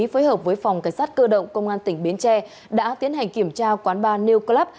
phối hợp với phòng cảnh sát cơ động công an tỉnh bến tre đã tiến hành kiểm tra quán bar new club